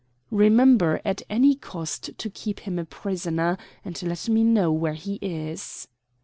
"Remember at any cost to keep him a prisoner, and let me know where he is."